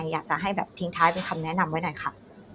อยากจะให้แบบทิ้งท้ายเป็นคำแนะนำไว้หน่อยค่ะ